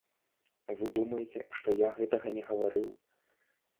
Вы думаеце, што я гэтага не гаварыў?